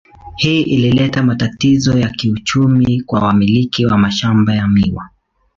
Hii ilileta matatizo ya kiuchumi kwa wamiliki wa mashamba ya miwa.